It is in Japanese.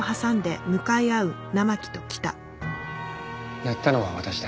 やったのは私だ。